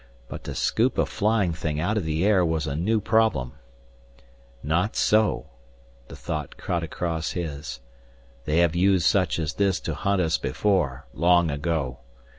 But to scoop a flying thing out of the air was a new problem. "Not so!" the thought cut across his. "They have used such as this to hunt us before, long ago.